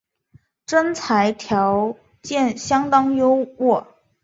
征才条件相当优渥